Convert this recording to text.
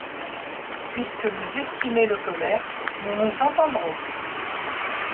Puisque vous estimez le commerce, nous nous entendrons.